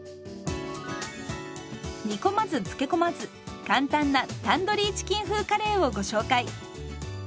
煮込まず漬け込まず簡単な「タンドリーチキン風カレー」をご紹介。